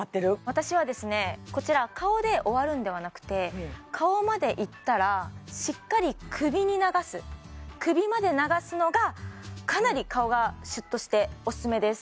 私はですねこちら顔で終わるんではなくて顔までいったらしっかり首に流す首まで流すのがかなり顔がシュッとしてオススメです